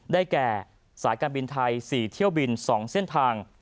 แก่สายการบินไทย๔เที่ยวบิน๒เส้นทาง